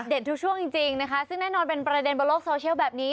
ทุกช่วงจริงนะคะซึ่งแน่นอนเป็นประเด็นบนโลกโซเชียลแบบนี้